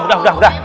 udah udah udah